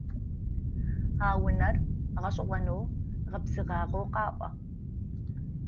А унэр гъэшӏэгъонэу гъэпсыгъагъэу къаӏо.